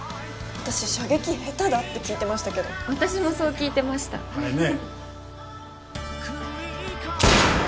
私射撃下手だって聞いてましたけど私もそう聞いてましたあれね